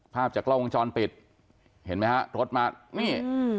ภาพจากกล้องวงจรปิดเห็นไหมฮะรถมานี่อืม